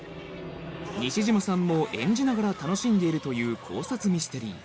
西島さんも演じながら楽しんでいるという考察ミステリー